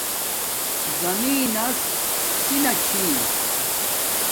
زمین نس سی نا چھِی